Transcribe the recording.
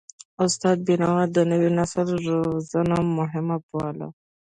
استاد بینوا د نوي نسل روزنه مهمه بلله.